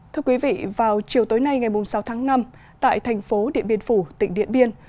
thưa quý vị vào chiều tối nay ngày sáu tháng năm tại thành phố điện biên phủ tỉnh điện biên